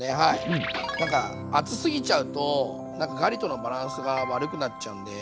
なんか厚すぎちゃうとなんかガリとのバランスが悪くなっちゃうんで。